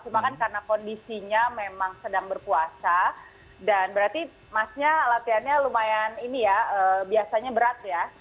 cuma kan karena kondisinya memang sedang berpuasa dan berarti masnya latihannya lumayan ini ya biasanya berat ya